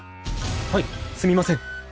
はいすみません。